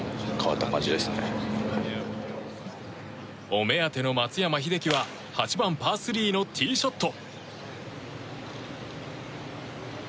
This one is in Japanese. お目当ての松山英樹は８番、パー３のティーショット。